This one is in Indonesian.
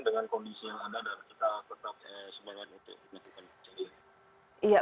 dengan kondisi yang ada dan kita tetap semangat untuk melakukan pencarian